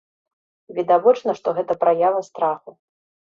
Відавочна, што гэта праява страху.